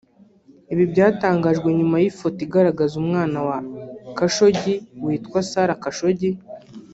Ibi byatangajwe nyuma y’ifoto igaragaza umwana wa Khashoggi witwa Salah Khashoggi